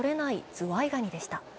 ズワイガニでしはた。